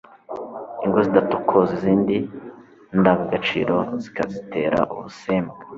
i ngo zidatokoza izindi ndangagaciro zikazitera ubusembwa